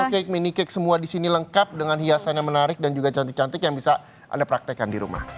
oke cake minny cake semua di sini lengkap dengan hiasan yang menarik dan juga cantik cantik yang bisa anda praktekkan di rumah